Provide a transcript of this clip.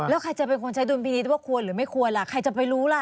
แล้วใครจะเป็นคนใช้ดุลพินิษฐ์ว่าควรหรือไม่ควรล่ะใครจะไปรู้ล่ะ